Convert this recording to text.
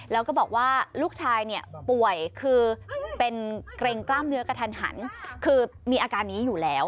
แล้วก็บอกว่าลูกชายเนี่ยป่วยคือเป็นเกร็งกล้ามเนื้อกระทันหันคือมีอาการนี้อยู่แล้ว